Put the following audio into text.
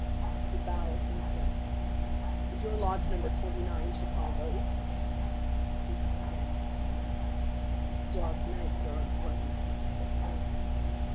He bowed in assent. "Is your lodge No. 29, Chicago?" He bowed again. "Dark nights are unpleasant," said the voice.